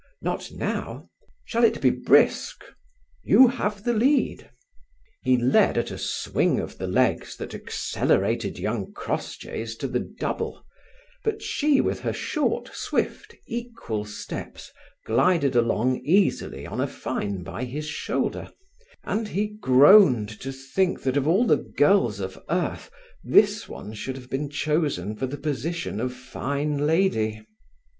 "Not now." "Shall it be brisk?" "You have the lead." He led at a swing of the legs that accelerated young Crossjay's to the double, but she with her short, swift, equal steps glided along easily on a fine by his shoulder, and he groaned to think that of all the girls of earth this one should have been chosen for the position of fine lady.